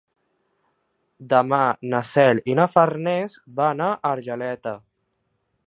Demà na Cel i na Farners van a Argeleta.